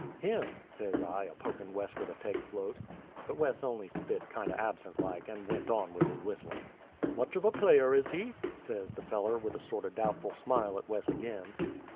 "Him," says I, a pokin' Wes with a peg float. But Wes on'y spit kindo' absent like, and went on with his whistlin'. "Much of a player, is he?" says the feller, with a sorto' doubtful smile at Wes ag'in.